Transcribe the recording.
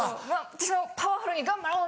私もパワフルに頑張ろう！